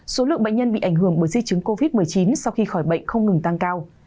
số lượng bệnh nhân bị ảnh hưởng bởi di chứng covid một mươi chín sau khi khỏi bệnh không ngừng tăng cao